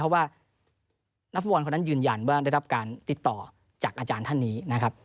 เพราะว่านักฟุตบอลคนนั้นยืนยันว่าได้รับการติดต่อจากอาจารย์ท่านนี้นะครับ